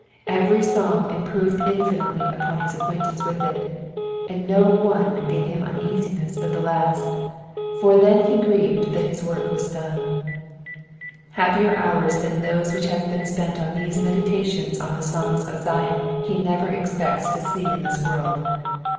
Every psalm improved infinitely upon his acquaintance with it, and no one gave him uneasiness but the last ; for then he grieved that his work was done. Happier hours than those which have been spent on these meditations on the songs of Zion he never expects to see in this world.